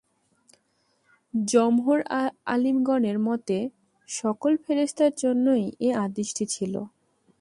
জমহুর আলিমগণের মতে, সকল ফেরেশতার জন্যেই এ আদেশটি ছিল।